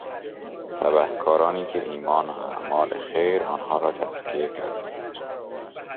تبهکارانی که ایمان و اعمال خیر آنها را تزکیه کرده بود